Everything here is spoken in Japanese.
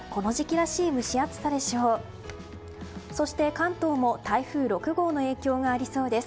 関東も台風６号の影響がありそうです。